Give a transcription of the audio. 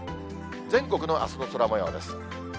全国のあすの空もようです。